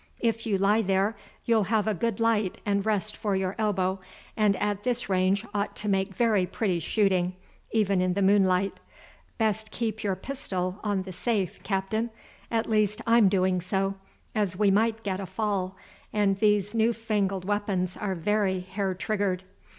If you lie there, you'll have a good light and rest for your elbow, and at this range ought to make very pretty shooting, even in the moonlight. Best keep your pistol on the safe, Captain; at least, I'm doing so, as we might get a fall, and these new fangled weapons are very hair triggered.